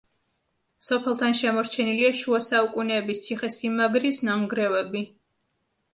სოფელთან შემორჩენილია შუასაუკუნეების ციხესიმაგრის ნანგრევები.